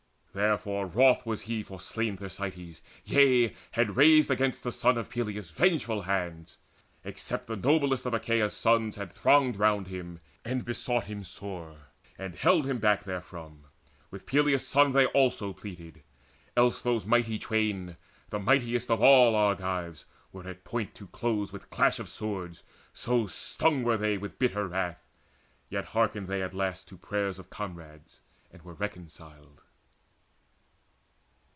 Therefore wroth Was he for slain Thersites, yea, had raised Against the son of Peleus vengeful hands, Except the noblest of Aehaea's sons Had thronged around him, and besought him sore, And held him back therefrom. With Peleus' son Also they pleaded; else those mighty twain, The mightiest of all Argives, were at point To close with clash of swords, so stung were they With bitter wrath; yet hearkened they at last To prayers of comrades, and were reconciled.